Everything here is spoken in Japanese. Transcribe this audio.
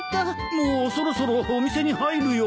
もうそろそろお店に入るよ。